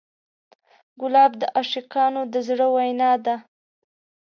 ګلاب د عاشقانو د زړه وینا ده.